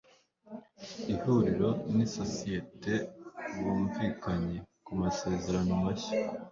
ihuriro n'isosiyete bumvikanye ku masezerano mashya